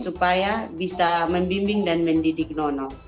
supaya bisa membimbing dan mendidik nono